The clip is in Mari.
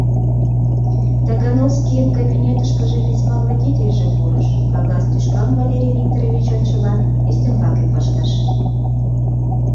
Тагановскийын кабинетышкыже письмоводительже пурыш, кагаз тӱшкам Валерий Викторович ончылан ӱстембаке пыштыш: